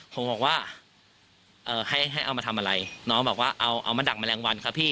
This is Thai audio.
ผมบอกว่าเอ่อให้ให้เอามาทำอะไรน้องบอกว่าเอามาดั่งแมลงวันครับพี่